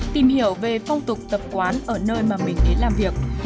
tìm hiểu về phong tục tập quán ở nơi mà mình đến làm việc